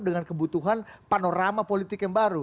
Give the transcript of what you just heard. dengan kebutuhan panorama politik yang baru